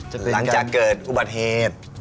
หลังจากเกิดอุบัติเหตุ